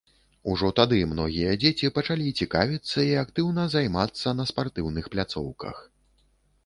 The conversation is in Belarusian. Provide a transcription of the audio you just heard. Ужо тады многія дзеці пачалі цікавіцца і актыўна займацца на спартыўных пляцоўках.